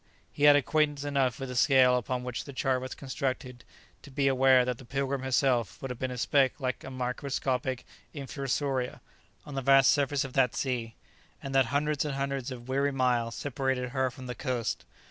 He had acquaintance enough with the scale upon which the chart was constructed to be aware that the "Pilgrim" herself would have been a speck like a microscopic infusoria on the vast surface of that sea, and that hundreds and hundreds of weary miles separated her from the coast.